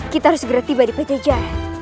kita harus segera tiba di pjj